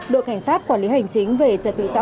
đội cảnh sát quản lý hành chính về trật tự xã hội